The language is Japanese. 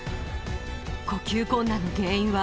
呼吸困難の原因は、